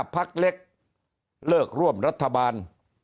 พักเล็กเลิกร่วมรัฐบาล